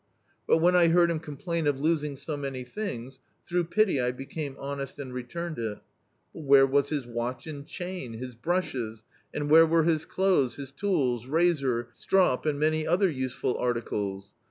But when I heard him onnplain of losing so many things, through pity I became honest and returned it. But where was his watch and chain, his brushes, and where were his clothes, his tools, razor, strop, and many other use ful articles?